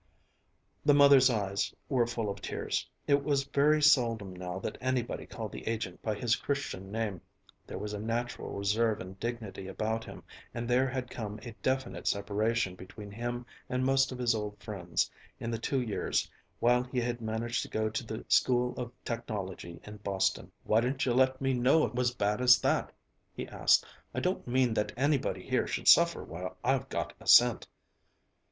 The mother's eyes were full of tears. It was very seldom now that anybody called the agent by his Christian name; there was a natural reserve and dignity about him, and there had come a definite separation between him and most of his old friends in the two years while he had managed to go to the School of Technology in Boston. "Why didn't you let me know it was bad as that?" he asked. "I don't mean that anybody here should suffer while I've got a cent."